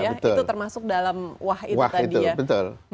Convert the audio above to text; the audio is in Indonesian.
itu termasuk dalam wah itu tadi ya